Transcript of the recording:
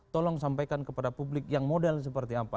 tolong sampaikan kepada publik yang model seperti apa